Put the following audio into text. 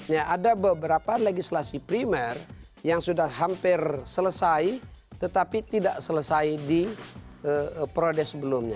ya ada beberapa legislasi primer yang sudah hampir selesai tetapi tidak selesai di prode sebelumnya